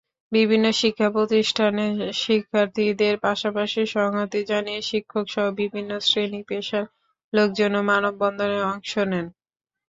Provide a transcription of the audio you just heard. বিভিন্ন শিক্ষাপ্রতিষ্ঠানের শিক্ষার্থীদের পাশাপাশি সংহতি জানিয়ে শিক্ষকসহ বিভিন্ন শ্রেণি-পেশার লোকজনও মানববন্ধনে অংশ নেন।